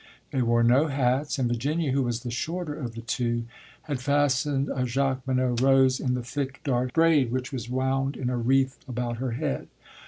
They wore no hats, and Virginia, who was the shorter of the two, had fastened a Jacqueminot rose in the thick dark braid which was wound in a wreath about her head.